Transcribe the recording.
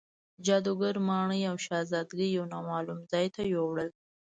جادوګر ماڼۍ او شهزادګۍ یو نامعلوم ځای ته یووړل.